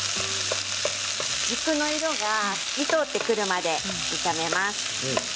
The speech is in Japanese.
軸の色が透き通ってくるまで炒めます。